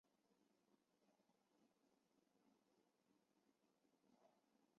紫果蔺为莎草科荸荠属的植物。